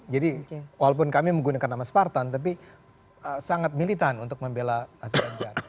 jadi walaupun kami menggunakan nama spartan tapi sangat militan untuk membela asyik ganjar